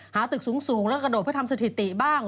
ตึกสูงแล้วกระโดดเพื่อทำสถิติบ้าง